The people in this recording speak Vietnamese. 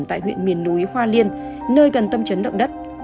tại huyện miền núi hoa liên nơi gần tâm chấn động đất